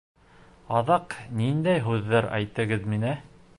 Аҙаҡ ниндәй һүҙҙәр әйттегеҙ миңә!